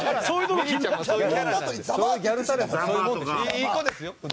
いい子ですよ